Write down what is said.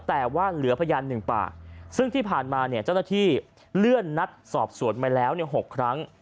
แต่ว่าเหลือพยาน๑ปากซึ่งที่ผ่านมาเนี่ยเจ้าหน้าที่เลื่อนนัดสอบสวนมาแล้ว๖ครั้ง